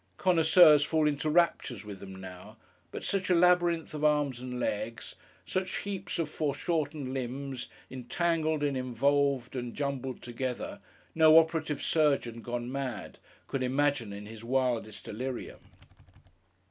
Connoisseurs fall into raptures with them now; but such a labyrinth of arms and legs: such heaps of foreshortened limbs, entangled and involved and jumbled together: no operative surgeon, gone mad, could imagine in his wildest delirium.